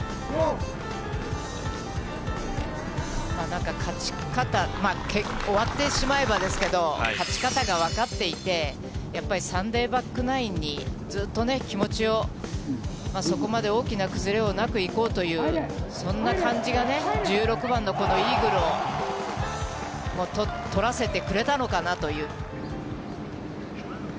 なんか勝ち方、終わってしまえばですけど、勝ち方が分かっていて、やっぱりサンデーバックナインにずっとね、気持ちを、そこまで大きな崩れもなくいこうという、そんな感じがね、１６番のこのイーグルを取らせてくれたのかなという。